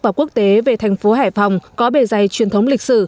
và quốc tế về thành phố hải phòng có bề dày truyền thống lịch sử